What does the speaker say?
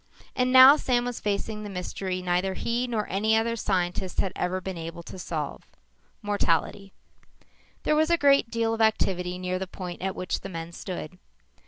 And now, Sam was facing the mystery neither he nor any other scientist had ever been able to solve. Mortality. There was a great deal of activity near the point at which the men stood.